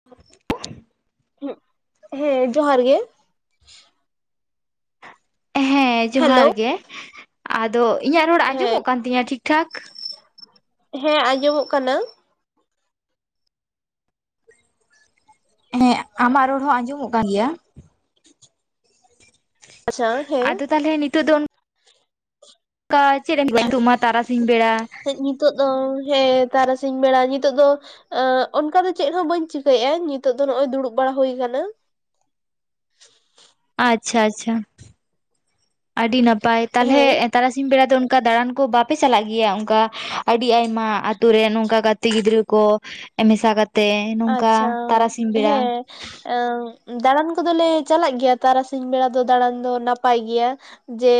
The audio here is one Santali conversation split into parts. [inaudible] ᱦᱩᱸᱜ ᱦᱮᱸ ᱡᱚᱦᱟᱨ ᱜᱮ। ᱦᱮᱸ ᱦᱮᱞᱳ ᱡᱚᱦᱟᱨ ᱜᱮ ᱟᱫᱚ ᱤᱧᱟᱹᱜ ᱨᱚᱲ ᱦᱮᱸ ᱟᱸᱡᱚᱢᱚᱜ ᱠᱟᱱ ᱛᱤᱧᱟᱹ ᱴᱷᱤᱠ ᱴᱷᱟᱠ? ᱦᱮᱸ ᱟᱸᱡᱚᱢᱚᱜ ᱠᱟᱱᱟ। ᱦᱮᱸ ᱟᱢᱟᱜ ᱨᱚᱲ ᱦᱚᱸ ᱟᱸᱡᱚᱢᱚᱜ ᱠᱟᱱ ᱜᱮᱭᱟ। ᱟᱪᱪᱷᱟ ᱦᱮᱸ। ᱟᱫᱚ ᱛᱟᱦᱚᱞᱮ ᱱᱤᱛᱚᱜ ᱫᱚᱝ ᱠᱟ ᱪᱮᱫ ᱮᱢ, [unintelligible] ᱱᱤᱛᱚᱜᱢᱟ ᱛᱟᱨᱟᱥᱤᱧ ᱵᱮᱲᱟ ᱱᱤᱛᱚᱜ ᱫᱚ ᱦᱮᱸ ᱛᱟᱨᱟᱥᱤᱧ ᱵᱮᱲᱟ ᱱᱤᱛᱚᱜ ᱫᱚ ᱮᱸᱜ ᱚᱱᱠᱟ ᱫᱚ ᱪᱮᱫ ᱦᱚᱸ ᱵᱟᱹᱧ ᱪᱤᱠᱟᱹᱭᱮᱫᱼᱟ ᱱᱤᱛᱚᱜ ᱫᱚ ᱱᱚᱸᱜᱼᱚᱭ ᱫᱩᱲᱩᱵ ᱵᱟᱲᱟ ᱦᱩᱭ ᱠᱟᱱᱟ, ᱟᱪᱪᱷᱟ ᱟᱪᱪᱷᱟ ᱟᱹᱰᱤ ᱱᱟᱯᱟᱭ ᱛᱟᱞᱦᱮ ᱦᱮᱸ ᱛᱟᱨᱟᱥᱤᱧ ᱵᱮᱲᱟ ᱫᱚ ᱚᱱᱠᱟ ᱫᱟᱬᱟᱱ ᱠᱚ ᱵᱟᱯᱮ ᱪᱟᱞᱟᱜ ᱜᱮᱭᱟ ᱚᱱᱠᱟ ᱟᱹᱰᱤ ᱟᱭᱢᱟ ᱟᱛᱳ ᱨᱮ ᱚᱱᱠᱟ ᱜᱟ ᱛᱮ ᱜᱤᱫᱽᱨᱟᱹ ᱠᱚ ᱢᱮᱥᱟ ᱠᱟᱛᱮᱜ ᱱᱚᱝᱠᱟ ᱛᱟᱨᱟᱥᱤᱧ ᱵᱮᱲᱟ? ᱮᱸ ᱫᱟᱬᱟᱱ ᱠᱚᱫᱚᱞᱮ ᱪᱟᱞᱟᱜ ᱜᱮᱭᱟ ᱛᱟᱨᱟᱥᱤᱧ ᱵᱮᱲᱟ ᱫᱚ ᱫᱟᱬᱟᱱ ᱫᱚ ᱱᱟᱯᱟᱭ ᱜᱮᱭᱟ। ᱡᱮ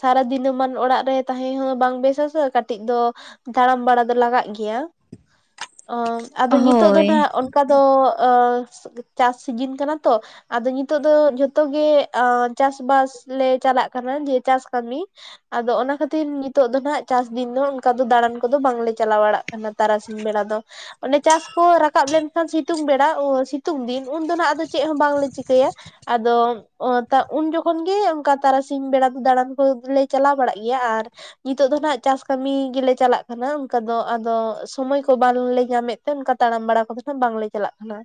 ᱥᱟᱨᱟ ᱫᱤᱱᱹᱢᱟᱱ ᱚᱲᱟᱜ ᱨᱮ ᱛᱟᱦᱮᱸ ᱦᱚᱸ ᱵᱟᱝ ᱵᱮᱥ ᱟᱥᱮ ᱠᱟᱹᱴᱤᱡ ᱫᱚ ᱫᱟᱲᱟᱢ ᱵᱟᱲᱟ ᱫᱚ ᱞᱟᱜᱟᱜ ᱜᱮᱭᱟ ᱟᱫᱚ ᱱᱤᱛᱚᱜ ᱫᱚ ᱦᱳᱭ ᱱᱟᱸᱜ ᱚᱱᱠᱟ ᱫᱚ ᱪᱟᱥ ᱥᱤᱡᱤᱱ ᱠᱟᱱᱟ ᱛᱚ, ᱟᱫᱚ ᱱᱤᱛᱚᱜ ᱫᱚ ᱡᱷᱚᱛᱚ ᱜᱮ ᱪᱟᱥ ᱵᱟᱥᱞᱮ ᱪᱟᱞᱟᱜ ᱠᱟᱱᱟ ᱡᱮ ᱪᱟᱥ ᱠᱟᱹᱢᱤ, ᱟᱫᱚ ᱚᱱᱟ ᱠᱷᱟᱹᱛᱤᱨ ᱱᱤᱛᱳᱜ ᱫᱚ ᱱᱟᱸᱜ ᱪᱟᱥ ᱫᱤᱱ ᱫᱚ ᱚᱱᱠᱟ ᱫᱚ ᱫᱟᱬᱟᱱ ᱠᱚᱫᱚ ᱵᱟᱝᱞᱮ ᱪᱟᱞᱟᱣ ᱵᱟᱲᱟᱜ ᱠᱟᱱᱟ। ᱛᱟᱨᱟᱥᱤᱧ ᱵᱮᱲᱟ ᱫᱚ, ᱚᱱᱮ ᱪᱟᱥ ᱠᱚ ᱨᱟᱠᱟᱵ ᱞᱮᱱ ᱠᱷᱟᱱ ᱥᱤᱛᱩᱝ ᱵᱮᱲᱟ ᱚ ᱥᱤᱛᱩᱝ ᱫᱤᱱ ᱩᱱᱫᱚ ᱱᱟᱜ ᱟᱫᱚ ᱪᱮᱫ ᱦᱚᱸ ᱵᱟᱝᱞᱮ ᱪᱤᱠᱟᱹᱭᱟ᱾ ᱟᱫᱚ ᱚ ᱩᱱ ᱡᱚᱠᱷᱚᱱ ᱜᱮ ᱚᱝᱠᱟ ᱛᱟᱨᱟᱥᱤᱧ ᱵᱮᱲᱟ ᱫᱟᱬᱟᱱ ᱠᱚᱞᱮ ᱪᱟᱞᱟᱣ ᱵᱟᱲᱟᱜ ᱜᱮᱭᱟ ᱟᱨ ᱱᱤᱛᱚᱜ ᱫᱚ ᱱᱟᱦᱟᱜ ᱪᱟᱥ ᱠᱟᱢᱤ ᱜᱮᱞᱮ ᱪᱟᱞᱟᱜ ᱠᱟᱱᱟ ᱚᱝᱠᱟ ᱫᱚ ᱟᱫᱚ ᱥᱚᱢᱚᱭ ᱠᱚ ᱵᱟᱝᱞᱮ ᱧᱟᱢᱮᱫ ᱛᱮ ᱚᱱᱠᱟ ᱛᱟᱲᱟᱢ ᱵᱟᱲᱟ ᱠᱚᱫᱚ ᱱᱟᱦᱟᱜ ᱵᱟᱝᱞᱮ ᱪᱟᱞᱟᱜ ᱠᱟᱱᱟ᱾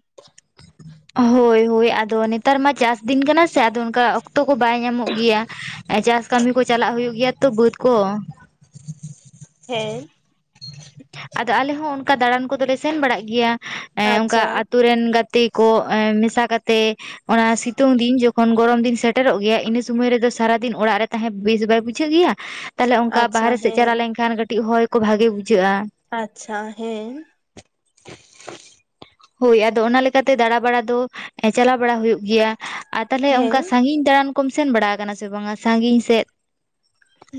ᱦᱳᱭ ᱦᱳᱭ ᱟᱫᱚ ᱱᱤᱛ ᱛᱟᱨ ᱢᱟ ᱪᱟᱥ ᱫᱤᱱ ᱠᱟᱱᱟ ᱥᱮ ᱟᱫᱚ ᱚᱱᱠᱟ ᱚᱠᱛᱚ ᱠᱚ ᱵᱟᱭ ᱧᱟᱢᱚᱜ ᱜᱮᱭᱟ, ᱪᱟᱥ ᱠᱟᱹᱢᱤ ᱠᱚ ᱪᱟᱞᱟᱜ ᱦᱩᱭᱩᱜ ᱜᱮᱭᱟ ᱛᱚ ᱵᱟᱹᱫ ᱠᱚ᱾ ᱦᱮᱸ᱾ ᱟᱫᱚ ᱟᱞᱮ ᱦᱚᱸ ᱚᱱᱠᱟ ᱫᱟᱬᱟᱱ ᱠᱚᱫᱚᱞᱮ ᱥᱮᱱ ᱵᱟᱲᱟᱜ ᱜᱮᱭᱟ, ᱮᱸ ᱚᱝᱠᱟ ᱟᱪᱪᱷᱟ ᱟᱛᱳ ᱨᱮᱱ ᱜᱟᱛᱮ ᱠᱚ ᱮᱸ ᱢᱮᱥᱟ ᱠᱟᱛᱮ, ᱚᱱᱟ ᱥᱤᱛᱩᱝ ᱫᱤᱱ ᱡᱚ ᱠᱷᱚᱱ ᱜᱚᱨᱚᱢ ᱫᱤᱱ ᱥᱮᱴᱮᱨᱚᱜ ᱜᱮᱭᱟ, ᱤᱱᱟᱹ ᱥᱚᱢᱚᱭ ᱨᱮᱫᱚ ᱥᱟᱨᱟᱫᱤᱱ ᱚᱲᱟᱜ ᱨᱮ ᱛᱟᱦᱮᱸ ᱵᱮᱥ ᱵᱟᱭ ᱵᱩᱡᱷᱟᱹᱜ ᱜᱮᱭᱟ, ᱛᱟᱦᱚᱞᱮ ᱚᱝᱠᱟ ᱟᱪᱪᱷᱟ ᱵᱟᱦᱨᱮ ᱥᱮᱫ ᱪᱟᱞᱟᱣ ᱦᱮᱸ ᱞᱮᱱᱠᱷᱟᱱ ᱠᱟᱹᱴᱤᱡ ᱦᱚᱭ ᱠᱚ ᱵᱷᱟᱜᱮ ᱵᱩᱡᱷᱟᱹᱜᱼᱟ᱾ ᱟᱪᱪᱷᱟ ᱦᱮᱸ᱾ ᱦᱳᱭ ᱟᱫᱚ ᱚᱱᱟ ᱞᱮ ᱞᱮᱠᱟᱛᱮ ᱫᱟᱬᱟ ᱵᱟᱲᱟ ᱫᱚ ᱮᱸ ᱪᱟᱞᱟ ᱵᱟᱲᱟ ᱦᱩᱭᱩᱜ ᱜᱮᱭᱟ, ᱟᱨ ᱛᱟᱦᱚᱞᱮ ᱦᱮᱸ ᱚᱝᱠᱟ ᱥᱟᱺᱜᱤᱧ ᱫᱟᱬᱟᱱ ᱠᱚᱢ ᱥᱮᱱ ᱵᱟᱲᱟ ᱟᱠᱟᱱᱟ ᱥᱮ ᱵᱟᱝᱟ ᱥᱟᱺᱜᱤᱧ ᱥᱮᱫ?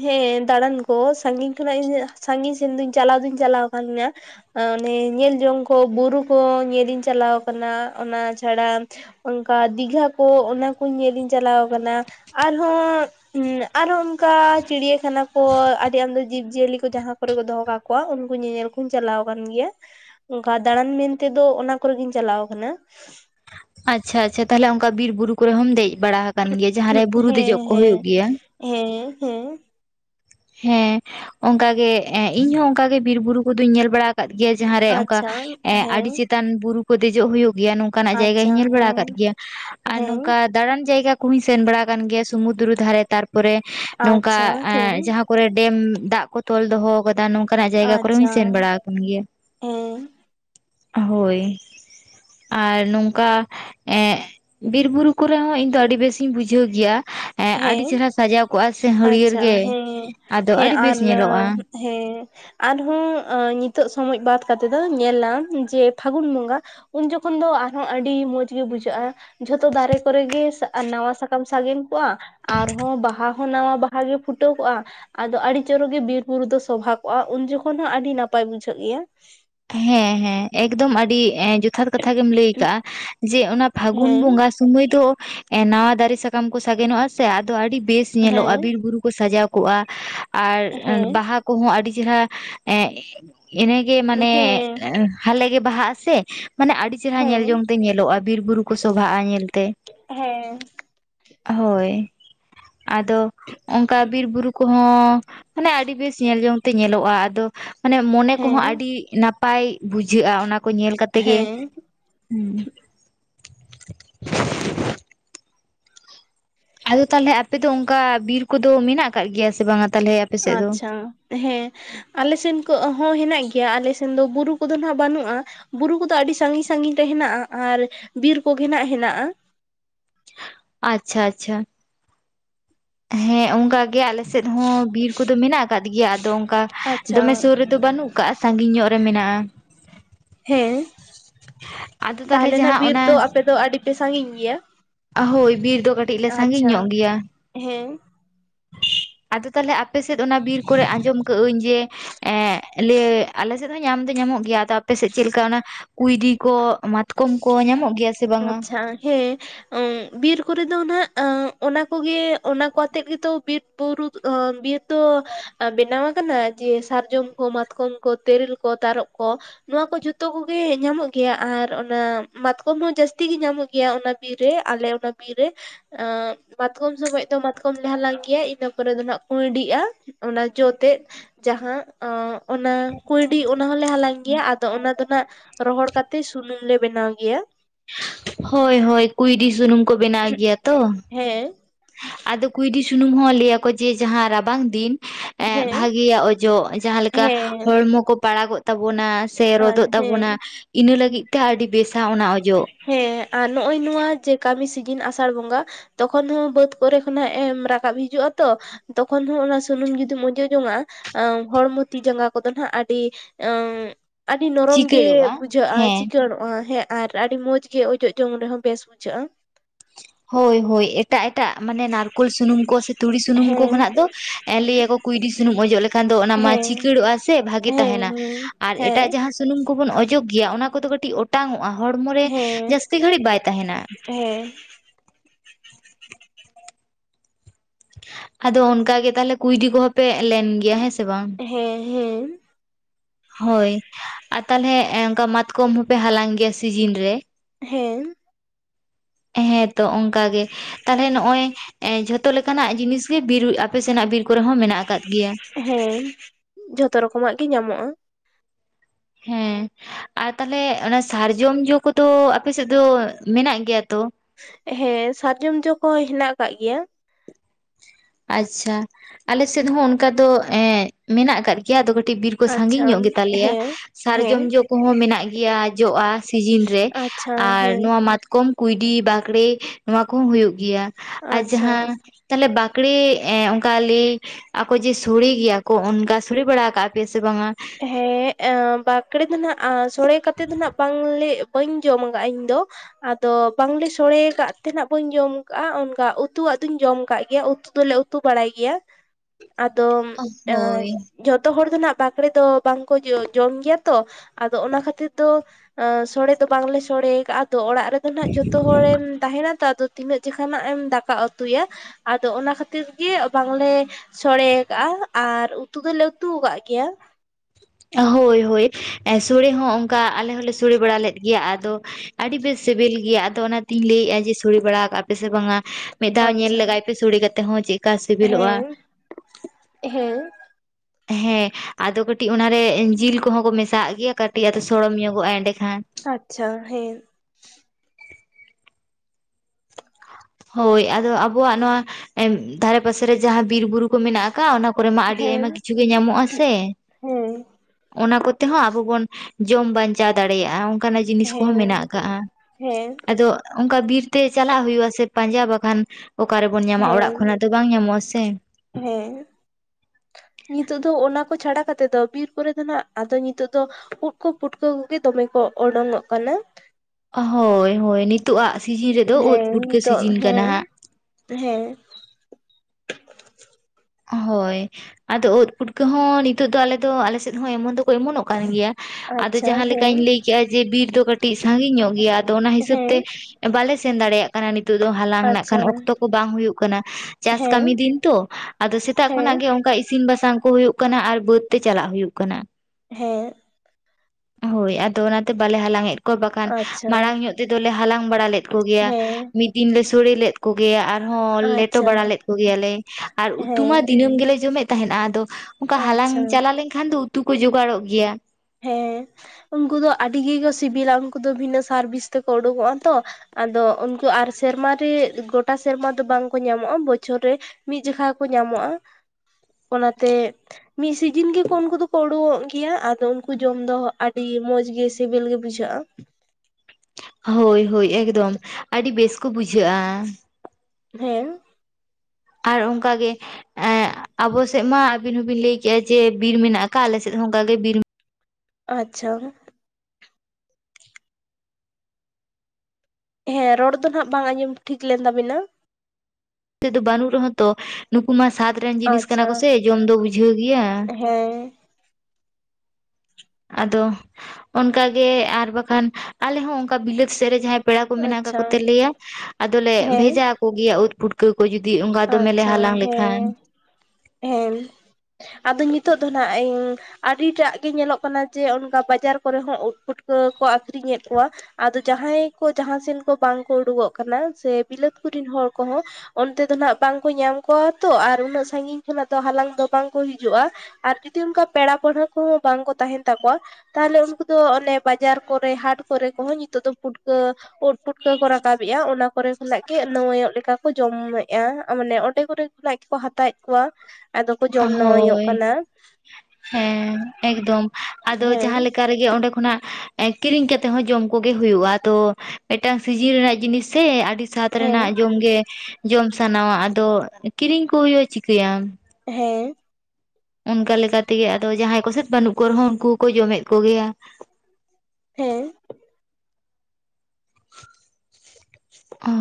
ᱦᱮᱸ ᱫᱟᱬᱟᱱ ᱠᱚ ᱥᱟᱺᱜᱤᱧ ᱠᱷᱚᱱᱟᱜ ᱤᱧ, ᱥᱟᱺᱜᱤᱧ ᱥᱮᱱ ᱫᱚᱧ ᱪᱟᱞᱟᱣ ᱫᱩᱧ ᱪᱟᱞᱟᱣ ᱠᱟᱱ [unintelligible] ᱚᱱᱮ ᱧᱮᱞᱡᱚᱝ ᱠᱚ ᱵᱩᱨᱩ ᱠᱚ ᱧᱮᱞᱤᱧ ᱪᱟᱞᱟᱣ ᱠᱟᱱᱟ, ᱚᱱᱟ ᱪᱷᱟᱲᱟ ᱚᱝᱠᱟ ᱫᱤᱜᱷᱟ ᱠᱚ ᱚᱱᱟ ᱠᱚ ᱧᱮᱞᱤᱧ ᱪᱟᱞᱟᱣ ᱠᱟᱱᱟ, ᱟᱨᱦᱚᱸᱻ ᱟᱨᱦᱚᱸ ᱚᱱ ᱠᱟ ᱪᱤᱲᱤᱭᱟᱠᱷᱟᱱᱟ ᱠᱚ ᱟᱹᱰᱤ ᱟᱢᱫᱟ ᱡᱤᱵᱽ-ᱡᱤᱭᱟᱹᱞᱤ ᱠᱚ ᱡᱟᱦᱟᱸ ᱠᱚᱨᱮ ᱠᱚ ᱫᱚᱦᱚ ᱠᱟᱜ ᱠᱚᱣᱟ ᱩᱱᱠᱩ ᱧᱮᱧᱮᱞ ᱠᱩᱧ ᱪᱟᱞᱟᱣ ᱟᱠᱟᱱ ᱜᱮᱭᱟ, ᱚᱝᱠᱟ ᱫᱟᱬᱟᱱ ᱢᱮᱱ ᱛᱮᱫᱚ ᱚᱱᱟ ᱠᱚᱨᱮ ᱜᱤᱧ ᱪᱟᱞᱟᱣ ᱠᱟᱱᱟ᱾ ᱟᱪᱪᱷᱟ ᱟᱪᱪᱷᱟ ᱛᱟᱦᱚᱞᱮ ᱚᱝᱠᱟ ᱵᱤᱨ ᱵᱩᱨᱩ ᱠᱚᱨᱮ ᱦᱚᱢ ᱫᱮᱡ ᱵᱟᱲᱟ ᱟᱠᱟᱱ ᱜᱮᱭᱟ ᱡᱟᱦᱟᱸ ᱨᱮ ᱵᱩᱨᱩ ᱫᱮᱡ ᱦᱮᱸ ᱠᱚ ᱦᱮᱸ ᱦᱳᱭᱳᱜ ᱜᱮᱭᱟ᱾ ᱦᱮᱸ, ᱦᱮᱸ᱾ ᱦᱮᱸ, ᱚᱝᱠᱟ ᱜᱮ ᱮᱸ ᱤᱧ ᱦᱚᱸ ᱚᱝᱠᱟ ᱜᱮ ᱵᱤᱨ ᱵᱩᱨᱩ ᱠᱚᱫᱚᱧ ᱧᱮᱞ ᱵᱟᱲᱟ ᱟᱠᱟᱫ ᱜᱮᱭᱟ ᱡᱟᱦᱟᱸ ᱨᱮ ᱚᱝᱠᱟ ᱟᱪᱪᱷᱟ ᱮᱸ ᱦᱮᱸ ᱟᱹᱰᱤ ᱪᱮᱛᱟᱱ ᱵᱩᱨᱩ ᱠᱚ ᱫᱮᱡᱚᱜ ᱦᱩᱭᱩᱜ ᱜᱮᱭᱟ ᱱᱚᱝ ᱠᱟᱱᱟᱜ ᱡᱟᱭᱜᱟ ᱟᱪᱪᱷᱟ ᱦᱚᱸᱧ ᱧᱮᱞ ᱵᱟᱲᱟ ᱦᱮᱸ ᱟᱠᱟᱫ ᱜᱮᱭᱟ, ᱟᱨ ᱦᱮᱸ ᱱᱚᱝᱠᱟ ᱫᱟᱬᱟᱱ ᱡᱟᱭᱜᱟ ᱠᱚᱦᱚᱧ ᱥᱮᱱ ᱵᱟᱲᱟ ᱟᱠᱟᱱ ᱜᱮᱭᱟ ᱥᱚᱢᱩᱫᱨᱚ ᱫᱷᱟᱨᱮ ᱛᱟᱨ ᱯᱚᱨᱮ ᱱᱚᱝᱠᱟ ᱟᱪᱪᱷᱟ ᱦᱮᱸ ᱡᱟᱦᱟᱸ ᱠᱚᱨᱮ ᱰᱮᱢ ᱫᱟᱜ ᱠᱚ ᱛᱚᱞ ᱫᱚᱦᱚ ᱠᱟᱫᱟ, ᱱᱚᱝᱠᱟᱱᱟᱜ ᱡᱟᱭᱜᱟ ᱠᱚᱨᱮ ᱟᱪᱪᱷᱟ ᱦᱚᱸᱧ ᱥᱮᱱ ᱵᱟᱲᱟ ᱟᱠᱟᱱ ᱜᱮᱭᱟ᱾ ᱦᱮᱸ ᱦᱳᱭ, ᱟᱨ ᱱᱚᱝᱠᱟ ᱮᱸ ᱵᱤᱨ ᱵᱩᱨᱩ ᱠᱚᱨᱮ ᱦᱚᱸ ᱤᱧ ᱫᱚ ᱟᱹᱰᱤ ᱵᱮᱥ ᱤᱧ ᱵᱩᱡᱷᱟᱹᱣ ᱜᱮᱭᱟ, ᱮᱸ ᱟᱹᱰᱤ ᱦᱮᱸ ᱪᱮᱨᱦᱨᱟ ᱥᱟᱡᱟᱣ ᱠᱚᱜᱼᱟ ᱥᱮ ᱦᱟᱹᱨᱭᱟᱹᱲ ᱟᱪᱪᱷᱟ ᱜᱮ, ᱦᱮᱸ, ᱟᱫᱚ ᱦᱮᱸ ᱟᱹᱰᱤ ᱵᱮᱥ ᱟᱨ ᱧᱮᱞᱚᱜᱼᱟ ᱦᱮᱸ᱾ ᱟᱨᱦᱚᱸ ᱱᱤᱛᱚᱜ ᱥᱚᱢᱚᱡ ᱵᱟᱫᱽ ᱠᱟᱛᱮᱫ ᱫᱚ ᱧᱮᱞ ᱟᱢ ᱡᱮ ᱯᱷᱟᱹᱜᱩᱱ ᱵᱚᱸᱜᱟ, ᱩᱱ ᱡᱚᱠᱷᱚᱱ ᱫᱚ ᱟᱨᱦᱚᱸ ᱟᱹᱰᱤ ᱢᱚᱡᱽ ᱜᱮ ᱵᱩᱡᱷᱟᱹᱜᱼᱟ᱾ ᱡᱷᱚᱛᱚ ᱫᱟᱨᱮ ᱠᱚᱨᱮ ᱜᱮ ᱱᱟᱣᱟ ᱥᱟᱠᱟᱢ ᱥᱟᱜᱮᱱ ᱠᱚᱜᱼᱟ ᱟᱨᱦᱚᱸ ᱵᱟᱦᱟ ᱦᱚᱸ ᱱᱟᱣᱟ ᱵᱟᱦᱟ ᱜᱮ ᱯᱷᱩᱴᱳᱣ ᱠᱚᱜᱼᱟ, ᱟᱫᱚ ᱟᱹᱰᱤ ᱪᱚᱨᱚᱠ ᱜᱮ ᱵᱤᱨ ᱵᱩᱨᱩ ᱫᱚ ᱥᱚᱵᱷᱟ ᱠᱚᱜᱼᱟ ᱩᱱ ᱡᱚᱠᱷᱚᱱ ᱦᱚᱸ ᱟᱹᱰᱤ ᱱᱟᱯᱟᱭ ᱵᱩᱡᱷᱟᱹᱜ ᱜᱮᱭᱟ᱾ ᱦᱮᱸ ᱦᱮᱸ ᱮᱠᱫᱚᱢ ᱟᱹᱰᱤ ᱮᱸ ᱡᱚᱛᱷᱟᱛ ᱠᱟᱛᱷᱟ ᱜᱮᱢ ᱞᱟᱹᱭ ᱠᱟᱜᱼᱟ, ᱡᱮ ᱚᱱᱟ ᱯᱷᱟᱹᱜᱩᱱ ᱦᱮᱸ ᱵᱚᱸᱜᱟ ᱥᱚᱢᱟᱹᱭ ᱫᱚ, ᱮᱸ ᱱᱟᱣᱟ ᱫᱟᱨᱮ ᱥᱟᱠᱟᱢ ᱠᱚ ᱥᱟᱜᱮᱱᱚᱜᱼᱟ ᱥᱮ ᱟᱫᱚ ᱟᱹᱰᱤ ᱵᱮᱥ ᱧᱮᱞᱚᱜᱼᱟ ᱦᱮᱸ ᱵᱤᱨ ᱵᱩᱨᱩ ᱠᱚ ᱥᱟᱡᱟᱣ ᱠᱚᱜ-ᱟ, ᱟᱨ ᱦᱮᱸ ᱵᱟᱦᱟ ᱠᱚᱦᱚᱸ ᱟᱹᱰᱤ ᱪᱮᱨᱦᱨᱟ ᱮᱸᱻ ᱤᱱᱮ ᱜᱮ ᱢᱟᱱᱮ, ᱦᱮᱸ ᱦᱟᱞᱮᱜ ᱜᱮ ᱵᱟᱦᱟᱜ-ᱟ ᱥᱮ ᱢᱟᱱᱮ ᱟᱹᱰᱤ ᱪᱮᱨᱦᱟ ᱦᱮᱸ ᱧᱮᱞ ᱡᱚᱝ ᱛᱮ ᱧᱮᱞᱚᱜᱼᱟ, ᱵᱤᱨ ᱵᱩᱨᱩ ᱠᱚ ᱥᱚᱵᱷᱟᱜᱼᱟ ᱧᱮᱞ ᱛᱮ᱾ ᱦᱮᱸ᱾ ᱦᱳᱭ ᱟᱫᱚ ᱚᱱᱠᱟ ᱵᱤᱨ ᱵᱩᱨᱩ ᱠᱚ ᱚ ᱢᱟᱱᱮ ᱟᱹᱰᱤ ᱵᱮᱥ ᱧᱮᱞ ᱡᱚᱝ ᱛᱮ ᱧᱮᱞᱚᱜᱼᱟ᱾ᱟᱫᱚ ᱢᱟᱱᱮ ᱢᱚᱱᱮ ᱦᱮᱸ ᱠᱚᱦᱚᱸ ᱟᱹᱰᱤ ᱱᱟᱯᱟᱭ ᱵᱩᱡᱷᱟᱹᱜᱼᱟ ᱚᱱᱟ ᱠᱚ ᱧᱮᱞ ᱠᱟᱛᱮ ᱜᱮ, ᱦᱮᱸ ᱦᱩᱸ ᱟᱫᱚ ᱛᱟᱦᱚᱞᱮ ᱟᱯᱮ ᱫᱚ ᱚᱱᱠᱟ ᱵᱤᱨ ᱠᱚᱫᱚ ᱢᱮᱱᱟᱜ ᱟᱠᱟᱫ ᱜᱮᱭᱟ ᱥᱮ ᱵᱟᱝ, ᱟᱪᱪᱷᱟ, ᱦᱮᱸ ᱟᱞᱮ ᱥᱮᱱ ᱠᱚᱦᱚᱸ ᱦᱮᱱᱟᱜ ᱜᱮᱭᱟ ᱟᱞᱮ ᱥᱮᱱ ᱫᱚ ᱵᱩᱨᱩ ᱠᱚᱫᱚ ᱵᱟᱹᱱᱩᱜᱼᱟ᱾ ᱵᱩᱨᱩ ᱠᱚᱫᱚ ᱟᱹᱰᱤ ᱥᱟᱺᱜᱤᱧ ᱥᱟᱺᱜᱤᱧ ᱨᱮ ᱦᱮᱱᱟᱜᱼᱟ ᱟᱨ ᱵᱤᱨ ᱠᱚᱜᱮ ᱱᱟᱜ ᱦᱮᱱᱟᱜᱼᱟ᱾ ᱟᱪᱪᱷᱟ, ᱟᱪᱪᱷᱟ, ᱦᱮᱸ ᱚᱱᱠᱟ ᱜᱮ ᱟᱞᱮᱥᱮᱫ ᱦᱚᱸ ᱵᱤᱨ ᱠᱚᱫᱚ ᱢᱮᱱᱟᱜ ᱟᱠᱟᱫ ᱜᱮᱭᱟ ᱟᱫᱚ ᱚᱱᱠᱟ ᱟᱪᱪᱷᱟ ᱫᱚᱢᱮ ᱥᱩᱨ ᱨᱮᱫᱚ ᱵᱟᱹᱱᱩᱜ ᱠᱟᱜ ᱥᱟᱺᱜᱤᱧ ᱧᱚᱜ ᱨᱮ ᱢᱮᱱᱟᱜᱼᱟ᱾ ᱦᱮᱸ ᱟᱫᱚ ᱛᱟᱦᱚᱞᱮ ᱛᱟᱦᱚᱞᱮᱱᱟᱜ ᱡᱟᱦᱟᱸ ᱵᱤᱨ ᱚᱱᱟ ᱫᱚ ᱟᱯᱮ ᱫᱚ ᱟᱹᱰᱤᱯᱮ ᱥᱟᱺᱜᱤᱧ ᱜᱮᱭᱟ᱾ ᱦᱳᱭ ᱵᱤᱨ ᱫᱚ ᱠᱟᱹᱴᱤᱡ ᱞᱮ ᱥᱟᱺᱜᱤᱧ ᱟᱪᱪᱷᱟ ᱧᱚᱜ ᱜᱮᱭᱟ ᱦᱮᱸ ᱟᱫᱚ ᱛᱟᱦᱚᱞᱮ ᱟᱯᱮ ᱥᱮᱫ ᱚᱱᱟ ᱵᱤᱨ ᱠᱚᱨᱮ ᱟᱸᱡᱚᱢ ᱠᱟᱹᱜᱟᱹᱧ ᱡᱮ, ᱮᱸᱜ ᱞᱮᱭ ᱟᱹ ᱟᱞᱮ ᱥᱮᱜ ᱧᱟᱢ ᱫᱚ ᱧᱟᱢᱚᱜ ᱜᱮᱭᱟ ᱟᱫᱚ ᱟᱯᱮ ᱥᱮᱫ ᱪᱮᱫ ᱞᱮᱠᱟ ᱚᱱᱟ ᱠᱩᱭᱰᱤ ᱠᱚ ᱢᱟᱛᱠᱚᱢ ᱠᱚ ᱧᱟᱢᱚᱜ ᱜᱮᱭᱟ ᱥᱮ ᱵᱟᱝᱟ? ᱟᱪᱪᱷᱟ, ᱦᱮᱸ ᱩᱸ [inaudible] ᱵᱤᱨ ᱠᱚᱨᱮ ᱫᱚ ᱱᱟᱦᱟᱜ ᱚᱱᱟ ᱠᱚᱜᱮ ᱟᱱᱟ ᱠᱚᱜᱮ ᱟᱛᱮᱫ ᱜᱮᱛᱚ ᱵᱤᱨ ᱵᱩᱨᱩ ᱚᱸ ᱵᱤᱨ ᱫᱚ ᱵᱮᱱᱟᱣ ᱟᱠᱟᱱᱟ ᱡᱮ ᱥᱟᱨᱡᱚᱢ ᱠᱚ, ᱢᱟᱛᱠᱚᱢ ᱠᱚ, ᱛᱮᱨᱮᱞ ᱠᱚ, ᱛᱟᱨᱚᱵ ᱠᱚ, ᱱᱚᱣᱟ ᱠᱚ ᱡᱚᱛᱚ ᱠᱚᱜᱮ ᱧᱟᱢᱚᱜ ᱜᱮᱭᱟ ᱟᱨ ᱚᱱᱟ ᱢᱟᱛᱠᱚᱢ ᱦᱚᱸ, ᱡᱟᱹᱥᱛᱤ ᱜᱮ ᱧᱟᱢᱚᱜ ᱜᱮᱭᱟ ᱚᱱᱟ ᱵᱤᱨ ᱨᱮ ᱟᱞᱮ ᱚᱱᱟ ᱵᱤᱨ ᱨᱮ, ᱢᱟᱛᱠᱚᱢ ᱥᱚᱢᱳᱭ ᱫᱚ ᱢᱟᱛᱠᱚᱢ ᱞᱮ ᱦᱟᱞᱟᱝ ᱜᱮᱭᱟ ᱤᱱᱟᱹ ᱯᱚᱨᱮ ᱫᱚ ᱱᱟᱜ ᱠᱩᱭᱰᱤ-ᱟ᱾ ᱚᱱᱟ ᱡᱚ ᱛᱮ ᱡᱟᱦᱟᱸ ᱚᱸ ᱚᱱᱟ ᱠᱩᱭᱰᱤ ᱚᱱᱟ ᱦᱚᱸᱞᱮ ᱦᱟᱞᱟᱝ ᱜᱮᱭᱟ ᱟᱫᱚ ᱚᱱᱟ ᱫᱚ ᱱᱟᱜ ᱨᱚᱦᱚᱲ ᱠᱟᱛᱮᱜ ᱥᱩᱱᱩᱢ ᱞᱮ ᱵᱮᱱᱟᱣ ᱜᱮᱭᱟ ᱦᱳᱭ ᱦᱳᱭ ᱠᱩᱭᱰᱤ ᱥᱩᱱᱩᱢ ᱠᱚ ᱵᱮᱱᱟᱣ ᱜᱮᱭᱟ ᱛᱚ ᱦᱮᱸ ᱟᱫᱚ ᱠᱩᱭᱰᱤ ᱥᱩᱱᱩᱢ ᱦᱚᱸ ᱞᱟᱹᱭ ᱟᱠᱚ ᱡᱮ ᱡᱟᱦᱟᱸ ᱨᱟᱵᱟᱝ ᱫᱤᱱ ᱮ ᱦᱮᱸ ᱵᱷᱟᱜᱮᱟᱜ ᱚᱡᱚᱜ ᱡᱟᱦᱟᱸ ᱞᱮᱠᱟ ᱦᱮᱸ ᱦᱚᱲᱢᱚ ᱠᱚ ᱯᱟᱲᱟᱜᱚᱜ ᱛᱟᱵᱚᱱᱟ ᱥᱮ ᱟᱨ ᱨᱚᱫᱚᱜ ᱦᱮᱸ ᱛᱟᱵᱚᱱᱟ ᱤᱱᱟᱹ ᱞᱟᱹᱜᱤᱫ ᱛᱮ ᱟᱹᱰᱤ ᱵᱮᱥᱟ ᱚᱱᱟ ᱚᱡᱚᱜ ᱦᱮᱸ ᱱᱚᱜ-ᱚᱭ ᱱᱚᱣᱟ ᱡᱮ ᱠᱟᱹᱢᱤ ᱥᱤᱡᱤᱱ ᱟᱥᱟᱲ ᱵᱚᱹᱜᱟ ᱛᱚᱠᱷᱚᱱ ᱦᱚᱸ ᱵᱟᱹᱫᱽ ᱠᱚᱨᱮ ᱠᱷᱚᱱᱟᱜ ᱮᱢ ᱨᱟᱠᱟᱵ ᱦᱤᱡᱩᱜᱼᱟ ᱛᱚ ᱛᱚᱠᱷᱚᱱ ᱦᱚᱸ ᱚᱱᱟ ᱥᱩᱱᱩᱢ ᱡᱩᱫᱤᱢ ᱚᱡᱚᱜ ᱡᱚᱝᱼᱟ ᱦᱚᱲᱢᱚ ᱛᱤ ᱡᱟᱸᱜᱟ ᱠᱚᱫᱚ ᱱᱟᱜ ᱟᱹᱰᱤ ᱚᱸ ᱟᱹᱰᱤ ᱱᱚᱨᱚᱢ ᱜᱮ ᱪᱤᱠᱟᱹᱲᱚᱜᱼᱟ ᱵᱩᱡᱷᱟᱹᱜᱼᱟ ᱦᱮᱸ ᱪᱤᱠᱟᱹᱲᱚᱜᱼᱟ ᱦᱮᱸ ᱟᱨ ᱟᱹᱰᱤ ᱢᱚᱸᱡᱽ ᱜᱮ ᱚᱡᱚᱜ ᱡᱚᱝ ᱨᱮᱦᱚᱸ ᱵᱮᱥ ᱵᱩᱡᱷᱟᱹᱜᱼᱟ ᱦᱳᱭ ᱦᱳᱭ ᱮᱸᱼᱼ ᱮᱴᱟᱜ ᱮᱴᱟᱜ ᱢᱟᱱᱮ ᱱᱟᱲᱠᱳᱞ ᱥᱩᱱᱩᱢ ᱠᱚ ᱥᱮ ᱛᱩᱲᱤ ᱥᱩᱱᱩᱢ ᱠᱚ ᱦᱮᱸ ᱠᱷᱚᱱᱟᱜ ᱫᱚ ᱮ ᱞᱟᱹᱭᱟᱠᱚ ᱠᱩᱭᱰᱤ ᱥᱩᱱᱩᱢ ᱚᱡᱚᱜ ᱞᱮᱠᱷ ᱠᱷᱟᱱ ᱫᱚ ᱚᱱᱟ ᱢᱟ ᱦᱮᱸ ᱪᱤᱠᱟᱹᱲᱚᱜᱼᱟ ᱥᱮ ᱵᱷᱟᱜᱤ ᱦᱮᱸ ᱛᱟᱦᱮᱱᱟ ᱟᱨ ᱦᱮᱸ ᱮᱴᱟᱜ ᱡᱟᱦᱟᱸ ᱥᱩᱱᱩᱢ ᱠᱚᱵᱚᱱ ᱚᱡᱚᱜ ᱜᱮᱭᱟ ᱚᱱᱟ ᱠᱚᱫᱚ ᱠᱟᱹᱴᱤᱡ ᱚᱴᱟᱝ ᱚᱜᱼᱟ ᱦᱚᱲᱢᱚ ᱨᱮ ᱦᱮᱸ ᱡᱟᱹᱥᱛᱤ ᱜᱷᱟᱹᱲᱤᱡ ᱵᱟᱭ ᱛᱟᱦᱮᱱᱟ ᱦᱮᱸ ᱟᱫᱚ ᱚᱱᱠᱟᱜᱮ ᱛᱟᱦᱞᱮ ᱠᱩᱭᱰᱤ ᱠᱚᱦᱚᱸ ᱯᱮ ᱞᱮᱱ ᱜᱮᱭᱟ ᱦᱮᱸ ᱥᱮ ᱵᱟᱝ ᱦᱮᱸ [inaudible] ᱦᱳᱭ ᱟᱨ ᱛᱟᱦᱚᱞᱮ ᱚᱱᱠᱟ ᱢᱟᱛᱠᱚᱢ ᱦᱚᱸᱯᱮ ᱦᱟᱞᱟᱝ ᱜᱮᱭᱟ ᱥᱤᱡᱤᱱ ᱨᱮ ᱦᱮᱸ, ᱦᱮᱸ ᱛᱚ ᱚᱱᱠᱟ ᱜᱮ, ᱛᱟᱦᱚᱞᱮ ᱱᱚ-ᱚᱭ ᱡᱷᱚᱛᱚ ᱞᱮᱠᱟᱱᱟᱜ ᱡᱤᱱᱤᱥ ᱜᱮ, ᱵᱤᱨ ᱟᱯᱮ ᱥᱮᱱᱟᱜ ᱵᱤᱨ ᱠᱚᱨᱮ ᱦᱚᱸ ᱢᱮᱱᱟᱜ ᱟᱠᱟᱫ ᱜᱮᱭᱟ? ᱦᱮᱸ, ᱡᱷᱚᱛᱚ ᱨᱚᱠᱚᱢᱟᱜ ᱜᱮ ᱧᱟᱢᱚᱜᱼᱟ᱾ ᱦᱮᱸ, ᱟᱨ ᱛᱟᱦᱚᱞᱮ ᱚᱱᱟ ᱥᱟᱨᱡᱚᱢ ᱡᱚ ᱠᱚᱫᱚ, ᱟᱯᱮᱥᱮᱫ ᱫᱚ ᱢᱮᱱᱟᱜ ᱜᱮᱭᱟ ᱛᱚ? ᱦᱮᱸ, ᱥᱟᱨᱡᱚᱢ ᱡᱚ ᱠᱚᱦᱚᱸ ᱦᱮᱱᱟᱜ ᱟᱠᱟᱜ ᱜᱮᱭᱟ, ᱟᱪᱪᱷᱟ, ᱟᱞᱮ ᱥᱮᱫ ᱦᱚᱸ ᱚᱱᱠᱟ ᱫᱚ ᱮᱸ ᱢᱮᱱᱟᱜ ᱟᱠᱟᱫ ᱜᱮᱭᱟ, ᱟᱫᱚ ᱠᱟᱹᱴᱤᱡ ᱵᱤᱨ ᱠᱚ ᱟᱪᱪᱷᱟ ᱥᱟᱺᱜᱤᱧ ᱧᱚᱜ ᱜᱮ ᱛᱟᱞᱮᱭᱟ᱾ ᱦᱮᱸ ᱦᱮᱸ ᱥᱟᱨᱡᱚᱢ ᱡᱚᱜ ᱠᱚᱦᱚᱸ ᱢᱮᱱᱟᱜ ᱜᱮᱭᱟ, ᱡᱚᱜᱼᱟ ᱥᱤᱡᱤᱱ ᱨᱮ, ᱟᱪᱪᱷᱟ ᱟᱨ ᱦᱮᱸ ᱱᱚᱣᱟ ᱢᱟᱛᱠᱚᱢ ᱠᱩᱭᱰᱤ, ᱵᱟᱠᱲᱮ ᱱᱚᱣᱟ ᱠᱚᱦᱚᱸ ᱦᱩᱭᱩᱜ ᱜᱮᱭᱟ, ᱟᱨ ᱟᱪᱪᱷᱟ ᱡᱟᱦᱟᱸ ᱛᱟᱞᱮ ᱵᱟᱠ -ᱠᱮᱲᱮ ᱮ ᱚᱝᱠᱟ ᱞᱮ ᱟᱠᱚ ᱡᱮ, ᱥᱚᱲᱮ ᱜᱮᱭᱟ ᱠᱚ, ᱚᱱᱠᱟ ᱥᱚᱲᱮ ᱵᱟᱲᱟ ᱟᱠᱟᱜ ᱯᱮ ᱥᱮ ᱵᱟᱝᱟ? ᱦᱮᱸᱻ ᱵᱟᱠᱲᱮ ᱫᱚ ᱱᱟᱜ ᱥᱳᱲᱮ ᱠᱟᱛᱮᱜ ᱫᱚ ᱱᱟᱜ, ᱵᱟᱝᱞᱮ ᱵᱟᱹᱧ ᱡᱚᱢ ᱟᱠᱟᱜᱼᱟ ᱤᱧ ᱫᱚ, ᱟᱫᱚ ᱵᱟᱝᱞᱮ ᱥᱚᱲᱮ ᱠᱟᱫ ᱛᱮ ᱱᱟᱜ ᱵᱟᱹᱧ ᱡᱚᱢ ᱟ ᱚᱱᱠᱟ ᱩᱛᱩᱣᱟᱜ ᱫᱚᱧ ᱡᱚᱢ ᱠᱟᱜ ᱜᱮᱭᱟ, ᱩᱛᱩ ᱫᱚᱞᱮ ᱩᱛᱩ ᱵᱟᱲᱟᱭ ᱜᱮᱭᱟ᱾ ᱟᱫᱚ ᱮ ᱦᱳᱭ ᱡᱷᱚᱛᱚ ᱦᱚᱲ ᱫᱚ ᱱᱟᱜ, ᱵᱟᱠᱲᱮ ᱫᱚ ᱵᱟᱝᱠᱚ ᱡᱚᱢ ᱜᱮᱭᱟ ᱛᱚ, ᱟᱫᱚ ᱚᱱᱟ ᱠᱷᱟᱹᱛᱤᱨ ᱫᱚ ᱥᱚᱲᱮ ᱫᱚ ᱵᱟᱝᱞᱮ ᱥᱚᱲᱮ ᱠᱟᱜᱼᱟ, ᱟᱫᱚ ᱚᱲᱟᱜ ᱨᱮ ᱟᱫᱚ ᱡᱷᱚᱛᱚ ᱦᱚᱲᱮᱢ ᱛᱟᱦᱮᱱᱟ ᱛᱚ, ᱟᱫᱚ ᱛᱤᱱᱟᱹᱜ ᱡᱚᱠᱷᱟᱱᱟ ᱮᱢ ᱫᱟᱠᱟ ᱩᱛᱩᱭᱟ᱾ ᱟᱫᱚ ᱚᱱᱟ ᱠᱷᱟᱹᱛᱤᱨ ᱜᱮ ᱵᱟᱝᱞᱮ ᱥᱳᱲᱮ ᱟᱠᱟᱜᱼᱟ, ᱟᱨ ᱩᱛᱩ ᱫᱚᱞᱮ ᱩᱛᱩ ᱟᱠᱟᱫ ᱜᱮᱭᱟ᱾ ᱦᱳᱭ ᱦᱳᱭ ᱥᱚᱲᱮ ᱦᱚᱸ ᱚᱱᱠᱟ ᱟᱞᱮ ᱦᱚᱸᱞᱮ ᱥᱚᱲᱮ ᱵᱟᱲᱟ ᱞᱮᱫ ᱜᱮᱭᱟ, ᱟᱫᱚ ᱟᱹᱰᱤ ᱵᱮᱥ ᱥᱮᱵᱮᱞ ᱜᱮᱭᱟ, ᱟᱫᱚ ᱚᱱᱟᱛᱤᱧ ᱞᱟᱹᱭᱮᱫᱼᱟ ᱡᱮ, ᱥᱚᱲᱮ ᱵᱟᱲᱟ ᱠᱟᱜ ᱯᱮ ᱥᱮ ᱵᱟᱝᱟ, ᱢᱤᱫ ᱫᱷᱟᱣ ᱧᱮᱞ ᱟᱪᱪᱷᱟ ᱞᱮᱜᱟᱣ ᱥᱳᱲᱮ ᱠᱟᱛᱮ ᱦᱚ ᱪᱮ ᱦᱮᱸ, ᱦᱮᱸ ᱦᱮᱸ, ᱟᱫᱚ ᱠᱟᱹᱴᱤᱡ ᱚᱱᱟᱨᱮ ᱡᱤᱞ ᱠᱚᱦᱚᱸ ᱠᱚ ᱢᱮᱥᱟᱜ ᱟ ᱜᱮᱭᱟ, ᱠᱟᱹᱴᱤᱡ ᱟᱫᱚ ᱥᱚᱲᱚᱢ ᱧᱚᱜᱚᱜᱼᱟ ᱮᱸᱰᱮ ᱠᱷᱟᱱ᱾ ᱟᱪᱪᱷᱟ ᱦᱮᱸ, ᱦᱳᱭ, ᱟᱫᱚ ᱭᱟᱜ ᱱᱚᱣᱟ ᱮ ᱫᱷᱟᱨᱮ ᱯᱟᱥᱮᱨᱮ ᱡᱟᱦᱟᱸ ᱵᱤᱨ ᱵᱩᱨᱩ ᱠᱚ ᱢᱮᱱᱟ ᱠᱚᱼᱟ ᱚᱱᱟ ᱠᱚᱨᱮᱢᱟ ᱟᱹᱰᱤ ᱦᱮᱸ ᱟᱭᱢᱟ ᱠᱤᱪᱷᱩ ᱜᱮ ᱧᱟᱢᱚᱼᱟᱥᱮ᱾ ᱦᱮᱸ ᱚᱱᱟ ᱠᱚᱛᱮ ᱦᱚᱸ ᱟᱵᱚ ᱵᱚᱱ, ᱡᱚᱢ ᱵᱟᱧᱪᱟᱣ ᱫᱟᱲᱮᱭᱟᱜ-ᱟ ᱾ ᱚᱱᱠᱟᱱᱟᱜ ᱡᱤᱱᱤᱥ ᱦᱮᱸ ᱠᱚᱦᱚᱸ ᱢᱮᱱᱟᱜ ᱟᱠᱟᱜ-ᱟ, ᱦᱮᱸ ᱟᱫᱚ ᱚᱱᱠᱟ ᱵᱤᱨ ᱛᱮ ᱪᱟᱞᱟᱜ ᱦᱩᱭᱩᱜ-ᱟ ᱥᱮ ᱾ ᱯᱟᱸᱡᱟ ᱵᱟᱠᱷᱟᱱ ᱚᱠᱟᱨᱮᱵᱚᱱ ᱧᱟᱢᱟ, ᱚᱲᱟᱜ ᱦᱮᱸ ᱠᱷᱚᱱᱟᱜ ᱫᱚ ᱵᱟᱝ ᱧᱟᱢᱚᱜ-ᱟ ᱥᱮ ᱾ ᱦᱮᱸ, [unintelligible] ᱱᱤᱛᱚᱜ ᱫᱚ ᱚᱱᱟ ᱠᱚ ᱪᱷᱟᱲᱟ ᱠᱟᱛᱮᱜ ᱫᱚ, ᱵᱤᱨ ᱠᱚᱨᱮ ᱫᱚ ᱱᱟᱜ ᱟᱫᱚ ᱱᱤᱛᱚᱜ ᱫᱚ ᱱᱟᱦᱟᱜ ᱩᱫ ᱠᱚ ᱯᱩᱴ ᱠᱟᱹ ᱠᱚᱜᱮ ᱫᱚᱢᱮ ᱠᱚ ᱚᱰᱚᱝᱚᱜ ᱠᱟᱱᱟ ᱾ ᱦᱳᱭ, ᱦᱳᱭ ᱱᱤᱛᱳᱜ ᱟᱜ ᱥᱤᱡᱤᱱ ᱨᱮᱫᱚ ᱩᱫ ᱦᱮᱸ ᱯᱩᱴᱠᱟᱹ ᱱᱤᱛᱚᱜ ᱥᱤᱡᱤᱱ ᱠᱟᱱᱟ ᱦᱮᱸ ᱦᱟᱸᱜ ᱾ ᱦᱮᱸ, ᱦᱳᱭ, ᱟᱫᱚ ᱩᱫ ᱯᱩᱴᱠᱟᱹ ᱦᱚᱸ ᱱᱤᱛᱚᱜ ᱫᱚ ᱟᱞᱮ ᱫᱚ, ᱟᱞᱮᱥᱮᱫ ᱦᱚᱸ ᱚᱢᱚᱱ ᱫᱚᱠᱚ ᱚᱢᱚᱱᱚᱜ ᱠᱟᱱ ᱜᱮᱭᱟ ᱾ ᱟᱫᱚ ᱟᱪᱪᱷᱟ ᱡᱟᱦᱟᱸ ᱞᱮᱠᱟᱧ ᱦᱮᱸ ᱞᱟᱹᱭ ᱡᱮ ᱵᱤᱨ ᱫᱚ ᱠᱟᱹᱴᱤᱡ ᱥᱟᱺᱜᱤᱧ ᱧᱚᱜ ᱜᱮᱭᱟ, ᱟᱫᱚ ᱚᱱᱟ ᱦᱤᱥᱟᱹᱵ ᱛᱮ ᱦᱮᱸ ᱵᱟᱞᱮ ᱥᱮᱱ ᱫᱟᱲᱮᱭᱟᱜ ᱠᱟᱱᱟ ᱱᱤᱛᱚᱜ ᱫᱚ ᱦᱟᱞᱟᱝ ᱦᱮᱱᱟᱜ ᱟᱪᱪᱷᱟ ᱠᱷᱟᱱ, ᱚᱠᱛᱚ ᱠᱚ ᱵᱟᱝ ᱦᱩᱭᱩᱜ ᱠᱟᱱᱟ ᱪᱟᱥ ᱦᱮᱸ ᱠᱟᱹᱢᱤ ᱫᱤᱱ ᱛᱚ ᱾ ᱟᱫᱚ ᱥᱮᱛᱟᱜ ᱠᱷᱚᱱᱟᱜ ᱦᱮᱸ ᱜᱮ ᱚᱱᱠᱟ ᱤᱥᱤᱱ ᱵᱟᱥᱟᱝ ᱠᱚ ᱦᱩᱭᱩᱜ ᱠᱟᱱᱟ, ᱟᱨ ᱵᱟᱹᱫᱽ ᱛᱮ ᱪᱟᱞᱟᱜ ᱦᱩᱭᱩᱜ ᱠᱟᱱᱟ ᱾ ᱦᱮᱸ, ᱦᱳᱭ, ᱟᱫᱚ ᱚᱱᱟᱛᱮ ᱵᱟᱞᱮ ᱦᱟᱞᱟᱝ ᱮ ᱠᱚ ᱵᱟᱠᱷᱟᱱ ᱟᱪᱪᱷᱟ ᱢᱟᱲᱟᱝ ᱧᱚᱜ ᱛᱮᱫᱚᱞᱮ ᱦᱟᱞᱟᱝ ᱵᱟᱲᱟ ᱞᱮᱫ ᱠᱚᱜᱮᱭᱟ ᱦᱮᱸ ᱢᱤᱫ ᱫᱤᱱ ᱞᱮ ᱥᱳᱲᱮ ᱞᱮᱫ ᱠᱚ ᱜᱮᱭᱟ ᱟᱨᱦᱚᱸ ᱞᱮᱴᱚ ᱟᱪᱪᱷᱟ ᱵᱟᱲᱟ ᱞᱮᱫ ᱠᱚᱜᱮᱭᱟᱞᱮ ᱟᱨ ᱩᱫᱷᱢᱟ ᱦᱮᱸ ᱫᱤᱱ ᱡᱚᱢ ᱜᱮᱞᱮ ᱡᱚᱢᱮᱫ ᱛᱟᱦᱮᱸᱱᱟ ᱟᱫᱚ ᱚᱱᱠᱟ ᱦᱟᱞᱟᱝ ᱟᱪᱪᱷᱟ ᱪᱟᱞᱟᱣ ᱞᱮᱱᱠᱷᱟᱱ ᱫᱚ ᱩᱛᱩ ᱠᱚ ᱡᱚᱜᱟᱲᱚᱜ ᱜᱮᱭᱟ ᱾ ᱦᱮᱸ [inaudible] ᱩᱱᱠᱩ ᱫᱚ ᱟᱹᱰᱤ ᱜᱮᱠᱚ ᱥᱤᱵᱤᱞᱟ ᱩᱱᱠᱩ ᱫᱚ ᱵᱷᱤᱱᱟᱹ ᱥᱟᱨᱵᱷᱤᱥ ᱛᱮᱠᱚ ᱩᱰᱩᱠᱚᱜ-ᱟ ᱛᱚ ᱾ ᱟᱫᱚ ᱩᱱᱠᱩ ᱟᱨ ᱥᱮᱨᱢᱟ ᱨᱮ ᱜᱚᱴᱟ ᱥᱮᱨᱢᱟ ᱫᱚ ᱵᱟᱝᱠᱚ ᱧᱟᱢᱚᱜ-ᱟ ᱵᱚᱪᱷᱚᱨ ᱨᱮ ᱢᱤᱫ ᱡᱮᱠᱷᱟ ᱠᱚ ᱧᱟᱢᱚᱜ-ᱟ ᱾ ᱚᱱᱟᱛᱮ ᱢᱤᱫ ᱥᱤᱡᱤᱱ ᱜᱮᱠᱚ ᱩᱱᱠᱩ ᱫᱚᱠᱚ ᱩᱰᱩᱝᱚᱜ ᱜᱮᱭᱟ ᱟᱫᱚ ᱩᱱ ᱡᱚᱢ ᱫᱚ ᱟᱹᱰᱤ ᱢᱚᱡᱽ ᱜᱮ ᱥᱤᱵᱤᱞ ᱜᱮ ᱵᱩᱡᱷᱟᱹᱜ-ᱟ ᱾ ᱦᱳᱭ ᱦᱳᱭ ᱮᱠᱫᱚᱢ ᱟᱹᱰᱤ ᱵᱮᱥ ᱠᱚ ᱵᱩᱡᱷᱟᱹᱜ-ᱟ ᱾ ᱦᱮᱸ᱾ ᱟᱨ ᱚᱱᱠᱟ ᱜᱮᱼᱼ ᱮᱸ ᱟᱵᱚ ᱥᱮᱫ ᱢᱟ ᱟᱵᱤᱱ ᱦᱚᱸᱵᱤᱱ ᱞᱟᱹᱭ ᱠᱮᱫ-ᱟ ᱡᱮ ᱵᱤᱨ ᱢᱮᱱᱟᱜ ᱟᱠᱟᱫ ᱟᱞᱮ ᱥᱮᱫ ᱦᱚᱸ ᱚᱱᱠᱟ ᱜᱮ ᱵᱤᱨᱼᱼ ᱟᱪᱪᱷᱟ᱾ ᱦᱮᱸ ᱨᱚᱲ ᱫᱚ ᱱᱟᱜ ᱵᱟᱝ ᱟᱸᱡᱚᱢ ᱴᱷᱤᱠ ᱞᱮᱱ ᱛᱟᱵᱤᱱᱟ ᱾ ᱚᱱᱛᱮ ᱫᱚ ᱵᱟᱹᱱᱩᱜ ᱨᱮᱦᱚᱸ ᱛᱚ ᱱᱩᱠᱩ ᱢᱟ ᱥᱟᱫ ᱨᱮᱱ ᱡᱤᱱᱤᱥ ᱠᱟᱱᱟ ᱟᱪᱪᱷᱟ ᱠᱚᱥᱮ ᱡᱚᱢ ᱫᱚ ᱵᱩᱡᱷᱟᱹᱣ ᱜᱮᱭᱟ ᱾ ᱦᱮᱸ᱾ ᱟᱫᱚ ᱚᱱᱠᱟ ᱜᱮ ᱟᱨ ᱵᱟᱠᱷᱟᱱ ᱟᱞᱮ ᱦᱚᱸ ᱚᱱᱠᱟ ᱵᱤᱞᱟᱹᱛ ᱥᱮᱫ ᱨᱮ ᱡᱟᱦᱟᱸᱭ ᱯᱮᱲᱟ ᱠᱚ ᱢᱮᱱᱟᱜ ᱠᱟ ᱟᱪᱪᱷᱟ ᱠᱚᱛᱟᱞᱮᱭᱟ ᱟᱫᱚᱞᱮ ᱦᱮᱸ ᱵᱷᱮᱡᱟ ᱟᱠᱚ ᱜᱮᱭᱟ ᱩᱫ ᱯᱩᱴᱼᱼ ᱠᱟᱹ ᱠᱚ ᱡᱩᱫᱤ ᱚᱱᱠᱟ ᱫᱚᱢᱮᱞᱮ ᱞᱮ ᱟᱪᱪᱷᱟ ᱦᱟᱞᱟᱝ ᱞᱮᱠᱷᱟᱱ ᱦᱮᱸ ᱾ ᱦᱮᱸ ᱟᱫᱚ ᱱᱤᱛᱳᱜ ᱫᱚ ᱱᱟᱦᱟᱜ ᱤᱧ ᱟᱹᱰᱤᱴᱟᱜ ᱜᱮ ᱧᱮᱞᱚᱜ ᱠᱟᱱᱟ ᱡᱮ ᱚᱱᱠᱟ ᱵᱟᱡᱟᱨ ᱠᱚᱨᱮ ᱦᱚᱸ ᱩᱫ ᱯᱩᱴᱠᱟᱹ ᱠᱚ ᱟᱠᱷᱨᱤᱧᱮᱫ ᱠᱚᱣᱟ ᱾ ᱟᱫᱚ ᱡᱟᱦᱟᱸᱭ ᱠᱚ ᱡᱟᱦᱟᱸᱥᱮᱱ ᱠᱚ ᱵᱟᱝᱠᱚ ᱩᱰᱩᱠᱚᱜ ᱠᱟᱱᱟ ᱥᱮ ᱵᱤᱞᱟᱹᱛ ᱠᱚᱨᱮᱱ ᱦᱚᱲ ᱠᱚᱦᱚᱸ ᱚᱱᱼᱼ ᱚᱱᱛᱮ ᱫᱚ ᱱᱟᱜ ᱵᱟᱝᱠᱚ ᱧᱟᱢ ᱠᱚᱣᱟ ᱛᱚ ᱟᱨ ᱩᱱᱟᱹᱜ ᱥᱟᱺᱜᱤᱧ ᱠᱷᱚᱱᱟᱜ ᱫᱚ ᱦᱟᱞᱟᱝ ᱫᱚ ᱵᱟᱝ ᱠᱚ ᱦᱤᱡᱩᱜ-ᱟ ᱾ ᱟᱨ ᱡᱩᱫᱤ ᱚᱱᱠᱟ ᱯᱮᱲᱟ ᱯᱟᱹᱲᱦᱟᱹ ᱠᱚᱦᱚᱸ ᱵᱟᱝ ᱠᱚ ᱛᱟᱦᱮᱱ ᱛᱟᱠᱚᱣᱟ ᱾ ᱛᱟᱦᱚᱞᱮ ᱩᱱᱠᱩ ᱫᱚ ᱚᱱᱮ ᱵᱟᱡᱟᱨ ᱠᱚᱨᱮ ᱦᱟᱴ ᱠᱚᱨᱮ ᱠᱚᱦᱚᱸ ᱱᱤᱛᱚᱜ ᱫᱚ ᱯᱩᱴᱠᱟᱹ ᱩᱫ ᱯᱩᱴᱠᱟᱹ ᱠᱚ ᱨᱟᱠᱟᱵ ᱮᱜ-ᱟ ᱚᱱᱟ ᱠᱚᱨᱮ ᱠᱷᱚᱱᱟᱜ ᱜᱮ ᱱᱟᱹᱢᱟᱹᱭᱚᱜ ᱞᱮᱠᱟ ᱠᱚ ᱡᱚᱢᱮᱫ ᱢᱟᱱᱮ ᱚᱸᱰᱮ ᱠᱚᱨᱮ ᱠᱷᱚᱱᱟᱜ ᱜᱮᱠᱚ ᱦᱟᱛᱟᱣᱮᱫ ᱠᱚᱣᱟ ᱾ ᱦᱳᱭ ᱦᱮᱸ ᱮᱠᱫᱚᱢ ᱟᱫᱚ ᱦᱮᱸ ᱡᱟᱦᱟᱸ ᱞᱮᱠᱟ ᱚᱱᱠᱟ ᱨᱮᱜᱮ ᱚᱸᱰᱮ ᱠᱷᱚᱱᱟᱜ ᱠᱤᱨᱤᱧ ᱠᱟᱛᱮᱜ ᱦᱚᱸ ᱡᱚᱢ ᱠᱚᱜᱮ ᱦᱩᱭᱩᱜ-ᱟ ᱛᱚᱼᱼ ᱢᱤᱫᱴᱟᱝ ᱥᱤᱡᱤᱱ ᱨᱮᱱᱟᱜ ᱡᱤᱱᱤᱥ ᱥᱮ ᱟᱹᱰᱤ ᱥᱟᱛ ᱨᱮᱱᱟᱜ ᱦᱮᱸ ᱡᱚᱢ ᱜᱮ ᱡᱚᱢ ᱥᱟᱱᱟᱣᱟ ᱟᱫᱚ ᱠᱤᱨᱤᱧ ᱠᱚ ᱦᱩᱭᱩᱜᱼᱟ ᱪᱤᱠᱟᱭᱟᱢ? ᱦᱮᱸ᱾ ᱚᱱᱠᱟ ᱞᱮᱠᱟ ᱛᱮᱜᱮ ᱟᱫᱚ ᱡᱟᱦᱟᱸᱭ ᱠᱚᱥᱮᱫ ᱵᱟᱹᱱᱩᱜ ᱠᱚ ᱨᱮᱦᱚᱸ ᱩᱱᱠᱩ ᱦᱚᱸᱠᱚ ᱡᱚᱢᱮᱫ ᱠᱚᱜᱮᱭᱟ᱾ ᱦᱮᱸ᱾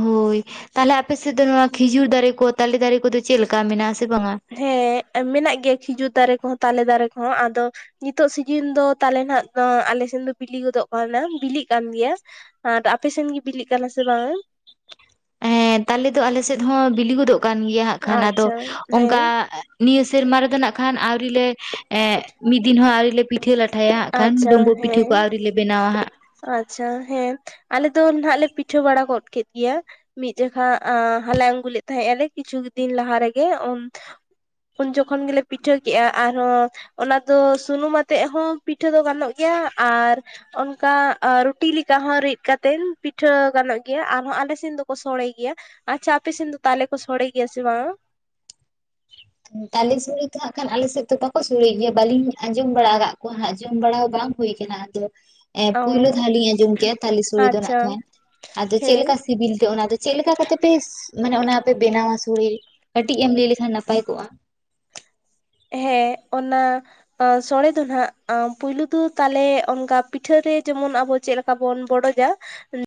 ᱦᱳᱭ ᱛᱟᱦᱚᱞᱮ ᱟᱯᱮ ᱥᱮᱫ ᱫᱚ ᱱᱚᱣᱟ ᱠᱷᱤᱡᱩᱨ ᱫᱟᱨᱮ ᱠᱚ ᱛᱟᱞᱮ ᱫᱟᱨᱮ ᱠᱚᱫᱚ ᱪᱮᱫᱮ ᱞᱮᱠᱟ ᱢᱮᱱᱟᱜᱼᱟ ᱟᱥ ᱵᱟᱝᱟ? ᱦᱮᱸ ᱢᱮᱱᱟᱜ ᱜᱮᱭᱟ ᱠᱷᱤᱡᱩᱨ ᱫᱟᱨᱮ ᱠᱚᱦᱚᱸ ᱛᱟᱞᱮ ᱫᱟᱨᱮ ᱠᱚᱦᱚᱸ ᱟᱫᱚᱼᱼ ᱱᱤᱛᱚᱜ ᱥᱤᱡᱤᱱ ᱫᱚ ᱛᱟᱞᱮ ᱱᱟᱦᱟᱜ ᱫᱚ ᱥᱮᱱ ᱫᱚ ᱵᱤᱞᱤ ᱜᱚᱫᱚᱜ ᱠᱟᱱᱟ ᱵᱤᱞᱤᱜ ᱠᱟᱱ ᱜᱮᱭᱟ᱾ ᱟᱨ ᱟᱯᱮ ᱥᱮᱱ ᱜᱮ ᱵᱤᱞᱤᱜ ᱠᱟᱱᱟ ᱥᱮ ᱵᱟᱝᱼᱟ? ᱦᱮᱸ ᱛᱟᱞᱮ ᱫᱚ ᱟᱞᱮ ᱥᱮᱫ ᱦᱚᱸ ᱵᱤᱞᱤ ᱜᱚᱫᱚᱜ ᱠᱟᱱ ᱜᱮᱭᱟ ᱦᱟᱜᱸ ᱠᱷᱟᱱ ᱟᱫᱚ ᱟᱪᱪᱷᱟ ᱦᱮᱸ ᱚᱱᱠᱟ- ᱱᱤᱭᱟᱹ ᱥᱮᱨᱢᱟ ᱨᱮᱫᱚ ᱱᱟᱜ ᱠᱷᱟᱱ ᱟᱹᱣᱨᱤ ᱞᱮ ᱮ ᱢᱤᱫ ᱫᱤᱱ ᱦᱚᱸ ᱟᱹᱣᱨᱤ ᱞᱮ- ᱯᱤᱴᱷᱟᱹ ᱞᱟᱴᱷᱟᱭᱟ ᱦᱟᱜᱸ ᱠᱷᱟᱱ ᱟᱪᱪᱷᱟ ᱰᱩᱢᱵᱩᱜ ᱯᱤᱴᱷᱟᱹ ᱦᱮᱸ ᱠᱚ ᱟᱹᱣᱨᱤ ᱞᱮ ᱵᱮᱱᱟᱣᱟ ᱦᱟᱸᱜ᱾ ᱟᱪᱪᱷᱟ ᱦᱮᱸ ᱟᱞᱮ ᱫᱚ ᱟᱜ ᱞᱮ ᱯᱤᱴᱷᱟᱹ ᱵᱟᱲᱟ ᱜᱚᱫ ᱠᱮᱫ ᱜᱮᱭᱟ᱾ ᱢᱤᱫ ᱡᱷᱟᱠᱷᱟ ᱦᱟᱞᱟᱝ ᱟᱜᱩ ᱞᱮᱫ ᱛᱟᱦᱮᱸ ᱟᱞᱮ ᱠᱤᱪᱷᱩ ᱫᱤᱱ ᱞᱟᱦᱟ ᱨᱮᱜᱮ᱾ ᱩᱱ ᱡᱚᱠᱷᱚᱱ ᱜᱮᱞᱮ ᱯᱤᱴᱷᱟᱹ ᱠᱮᱜᱼᱟ ᱟᱨᱦᱚᱸ ᱚᱱᱟ ᱫᱚ ᱥᱩᱱᱩᱢ ᱟᱛᱮᱜ ᱦᱚᱸ᱾ ᱯᱤᱴᱷᱟᱹ ᱫᱚ ᱜᱟᱱᱚᱜ ᱜᱮᱭᱟ, ᱟᱨ ᱚᱱᱠᱟ ᱟᱸ ᱨᱩᱴᱤ ᱞᱮᱠᱟ ᱦᱚᱸ ᱨᱤᱫ ᱠᱟᱛᱮᱱ ᱯᱤᱴᱷᱟᱹ ᱜᱟᱱᱚᱜ ᱜᱮᱭᱟ ᱟᱨᱦᱚᱸ ᱟᱞᱮ ᱥᱮᱱ ᱫᱚᱠᱚ ᱥᱚᱲᱮᱭ ᱜᱮᱭᱟ᱾ ᱟᱪᱷᱟ ᱟᱯᱮ ᱥᱮᱱ ᱫᱚ ᱛᱟᱞᱮ ᱠᱚ ᱥᱚᱲᱮ ᱜᱮᱭᱟ ᱥᱮ ᱵᱟᱝ? ᱛᱟᱞᱮ ᱥᱚᱲᱮ ᱫᱚ ᱦᱟᱸᱜ ᱠᱷᱟᱱ ᱟᱞᱮ ᱥᱮᱡ ᱫᱚ ᱵᱟᱠᱚ ᱥᱩᱲᱟᱹᱭ ᱜᱮᱭᱟ, ᱵᱟᱹᱞᱤᱧ ᱟᱸᱡᱚᱢ ᱵᱟᱲᱟ ᱟᱠᱟᱜ ᱠᱚᱣᱟ ᱦᱟᱜ ᱡᱚᱢ ᱵᱟᱲᱟ ᱦᱚᱸ ᱵᱟᱝ ᱦᱩᱭ ᱠᱟᱱᱟ ᱟᱫᱚ ᱮ ᱚ ᱯᱳᱭᱞᱳ ᱫᱷᱟᱣ ᱞᱤᱧ ᱟᱸᱡᱚᱢ ᱠᱮᱼᱟ ᱛᱟᱞᱮ ᱥᱩᱲᱟᱹ ᱫᱚ ᱱᱟᱜ ᱟᱪᱪᱷᱟ ᱠᱷᱟᱱ ᱟᱫᱚ ᱪᱮᱫ ᱦᱮᱸ ᱞᱮᱠᱟ ᱥᱤᱵᱤᱞ ᱛᱮ ᱚᱱᱟ ᱫᱚ, ᱪᱮᱜ ᱞᱮᱠᱟ ᱠᱟᱛᱮ ᱯᱮ ᱢᱟᱱᱮ ᱚᱱᱟ ᱯᱮ ᱵᱮᱱᱟᱣᱟ ᱥᱩᱲᱮ? ᱠᱟᱹᱴᱤᱡ ᱮᱢ ᱞᱟᱹᱭ ᱞᱮᱠᱷᱟᱱ ᱱᱟ ᱯᱟᱭ ᱠᱚᱜᱼᱟ᱾ ᱦᱮᱸ ᱚᱱᱟ ᱚᱸ ᱥᱚᱲᱮ ᱫᱚ ᱱᱟᱦᱟᱜ ᱟᱸ ᱯᱩᱭᱞᱩ ᱫᱚ ᱛᱟᱞᱮ ᱚᱱᱠᱟ ᱯᱤᱴᱷᱟᱹ ᱨᱮ ᱡᱮᱢᱚᱱ ᱟᱵᱚ ᱪᱮᱜ ᱞᱮᱠᱟ ᱵᱚᱱ ᱵᱚᱰᱚᱡᱟ᱾ [inaudible]